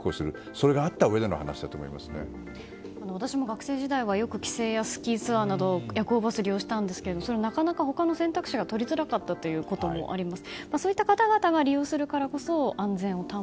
それがあったうえでの私も学生時代はよく帰省やスキーツアーなどで夜行バスを利用したんですがそれはなかなか他の選択肢を取りづらかったということもあります。